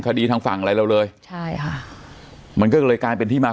ทางฝั่งอะไรเราเลยใช่ค่ะมันก็เลยกลายเป็นที่มา